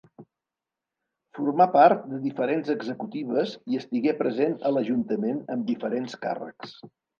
Formà part de diferents executives i estigué present a l'Ajuntament amb diferents càrrecs.